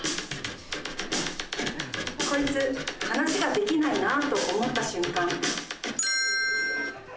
こいつ話ができないなと思った瞬間。